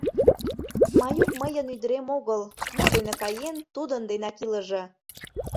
Маюк мыйын ӱдырем огыл — мо дене каен, тудын денак илыже!..